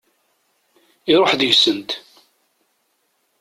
Iruḥ deg-sent.